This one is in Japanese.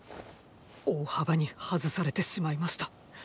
大幅にハズされてしまいました。